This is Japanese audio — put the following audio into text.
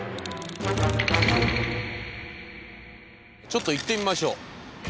ちょっと行ってみましょう。